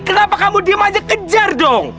kenapa kamu diem aja kejar dong